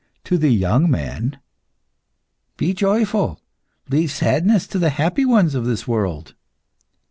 To the young men "Be joyful; leave sadness to the happy ones of this world."